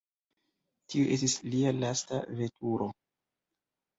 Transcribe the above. Tiu estis lia lasta veturo.